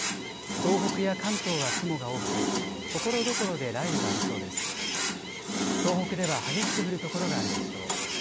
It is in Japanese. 東北では激しく降る所があるでしょう。